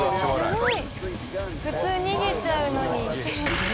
すごい！普通逃げちゃうのに。